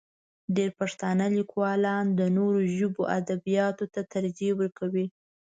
ډېری پښتانه لیکوالان د نورو ژبو ادبیاتو ته ترجیح ورکوي.